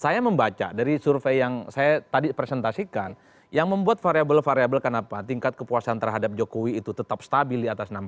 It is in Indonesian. saya membaca dari survei yang saya tadi presentasikan yang membuat variable variabel kenapa tingkat kepuasan terhadap jokowi itu tetap stabil di atas enam puluh